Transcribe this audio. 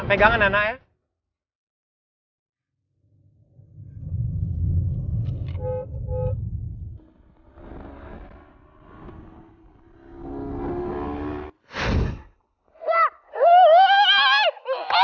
pegangan ya nah ya